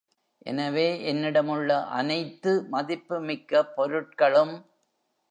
எனவே, என்னிடம் உள்ள அனைத்து மதிப்புமிக்க பொருட்களும்.